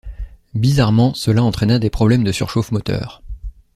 Bizarrement, cela entraîna des problèmes de surchauffe moteur.